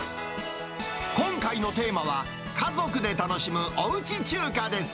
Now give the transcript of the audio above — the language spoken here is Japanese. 今回のテーマは、家族で楽しむおうち中華です。